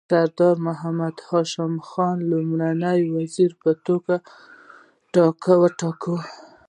سردار محمد هاشم خان یې د لومړي وزیر په توګه وټاکه.